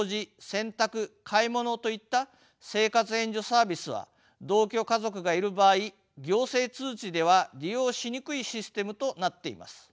洗濯買い物といった生活援助サービスは同居家族がいる場合行政通知では利用しにくいシステムとなっています。